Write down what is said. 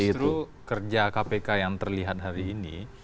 justru kerja kpk yang terlihat hari ini